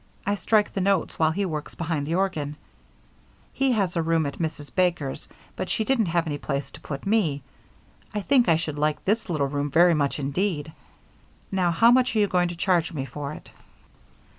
I strike the notes while he works behind the organ. He has a room at Mrs. Baker's, but she didn't have any place to put me. I think I should like this little room very much indeed. Now, how much are you going to charge me for it?"